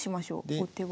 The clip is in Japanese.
後手は。